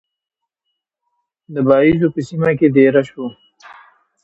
د باییزو په سیمه کې دېره شو.